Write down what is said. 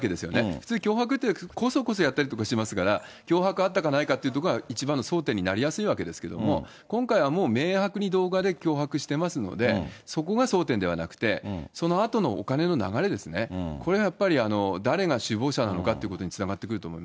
普通、脅迫って、こそこそやったりしますから、脅迫あったかないかというところは一番の争点になりやすいわけですけれども、今回はもう、明白に動画で脅迫してますので、そこが争点ではなくて、そのあとのお金の流れですね、これはやっぱり誰が首謀者なのかってことにつながってくると思い